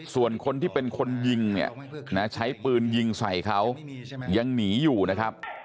ส่วนคนที่เป็นคนยิงเนี่ยนะใช้ปืนยิงใส่เขายังหนีอยู่นะครับ